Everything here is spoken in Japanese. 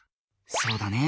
そうだね。